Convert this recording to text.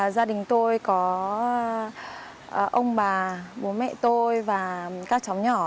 gia đình tôi có ông bà bố mẹ tôi và các cháu nhỏ